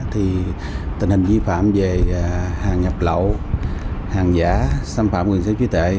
thì tình hình vi phạm về hàng nhập lậu hàng giả sản phẩm quyền sử trí tệ